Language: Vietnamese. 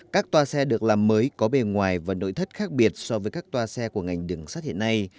các toa xe được làm mới có bề ngoài và nội thất khác biệt so với các toa xe của ngành đường sắt hiện nay